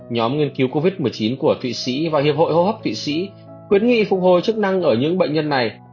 nhóm nghiên cứu covid một mươi chín của thụy sĩ và hiệp hội hô hấp thụy sĩ khuyến nghị phục hồi chức năng ở những bệnh nhân này